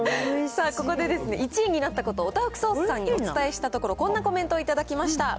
さあ、ここで１位になったこと、オタフクソースさんにお伝えしたところ、こんなコメント頂きました。